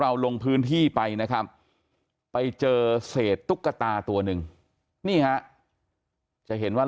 ลงพื้นที่ไปนะครับไปเจอเศษตุ๊กตาตัวหนึ่งนี่ฮะจะเห็นว่า